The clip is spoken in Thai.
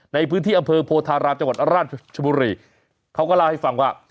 ในพื้นที่อำเภอโพธารามจังหวัดราชบุรีเขาก็เล่าให้ฟังว่า